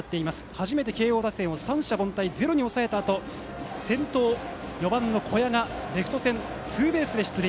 初めて慶応打線を三者凡退、ゼロに抑えたあと先頭、４番の小矢がレフト線ツーベースで出塁。